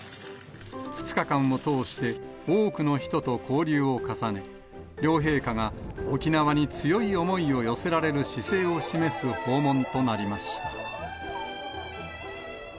２日間を通して、多くの人と交流を重ね、両陛下が沖縄に強い思いを寄せられる姿勢を示す訪問となりました。